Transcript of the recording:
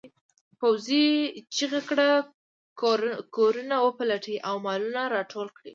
پوځي چیغه کړه کورونه وپلټئ او مالونه راټول کړئ.